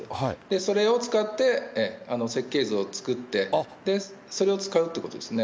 それを使って、設計図を作って、それを使うっていうことですね。